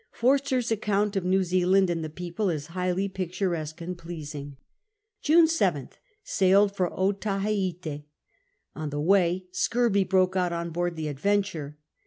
Forster's account of New Zealand and the people is highly picturesque and pleasing. June 1th. Sailed for Otaheitc. On the way scurvy broke out on board the Adverdure.